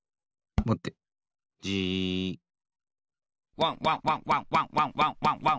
ワンワンワンワンワンワンワンワンワン。